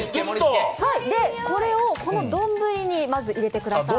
これをこの丼にまず入れてください。